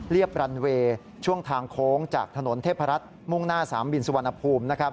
เรียบรันเวย์ช่วงทางโค้งจากถนนเทพรัฐโมงหน้า๓บินสุวรรณภูมิ